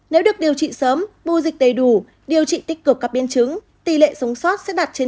nếu được điều trị sớm bu dịch đầy đủ điều trị tích cực các biến chứng tỷ lệ sống sót sẽ đạt trên